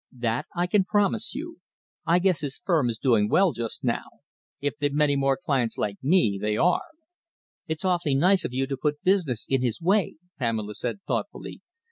"That I can promise you. I guess his firm is doing well just now. If they've many more clients like me they are." "It is very nice of you to put business in his way," Pamela said thoughtfully.